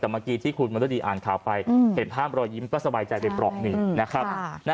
แต่เมื่อกีดน้องคุณอ่านข่าวไปเห็นถ้ามรอยยิ้มก็สบายใจไปปลอดภัย